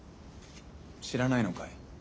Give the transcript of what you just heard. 知らないのかい？